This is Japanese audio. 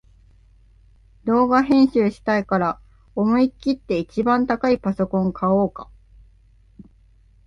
動画編集したいから思いきって一番高いパソコン買おうか